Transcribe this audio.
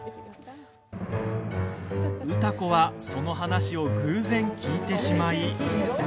歌子は、その話を偶然聞いてしまい。